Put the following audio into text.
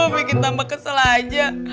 bikin tambah kesel aja